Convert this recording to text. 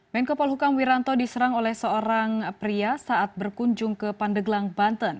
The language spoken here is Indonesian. menko polhukam wiranto diserang oleh seorang pria saat berkunjung ke pandeglang banten